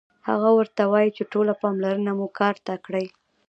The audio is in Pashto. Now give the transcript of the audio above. هغه ورته وايي چې ټوله پاملرنه مو کار ته کړئ